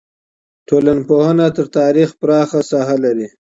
ټولنپوهنه تر تاریخ پراخه ساحه لري.